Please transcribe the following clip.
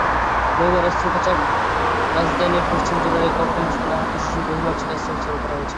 রহিমার অস্ত্রোপচাররাজধানীর পশ্চিম জুরাইনে cocktail বিস্ফোরণে আহত শিশু রহিমার চোখে অস্ত্রোপচার হয়েছে।